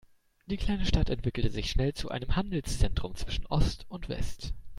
Die kleine Stadt entwickelte sich schnell zu einem Handelszentrum zwischen Ost und West.